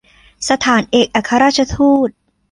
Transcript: สถานเอกอัครราชทูต